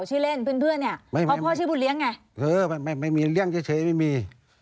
ชื่อเล่นเพื่อนเพื่อนเนี้ยไม่มีพ่อชื่อบุญเลี้ยงไงไม่มีไม่มีเลี้ยงเฉยเฉยไม่มี